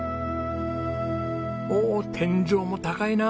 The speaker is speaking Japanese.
おお天井も高いなあ！